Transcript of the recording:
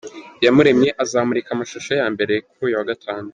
Iyamuremye azamurika Amashusho ye ya mbere kuri uyu wa Gatanu